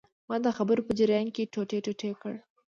ما د خبرو په جریان کې ټوټې ټوټې کړ.